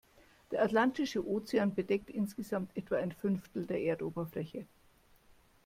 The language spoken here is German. Der Atlantische Ozean bedeckt insgesamt etwa ein Fünftel der Erdoberfläche.